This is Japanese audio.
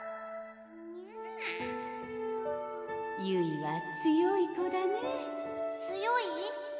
ゆいは強い子だね強い？